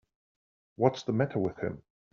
What's the matter with him.